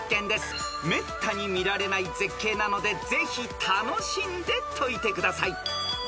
［めったに見られない絶景なのでぜひ楽しんで解いてください］